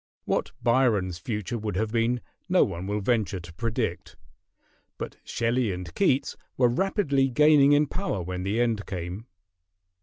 What Byron's future would have been no one will venture to predict; but Shelley and Keats were rapidly gaining in power when the end came.